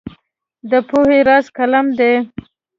د پوهې راز قلم دی.